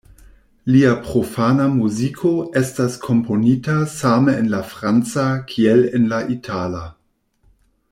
Lia profana muziko estas komponita same en la franca kiel en la itala.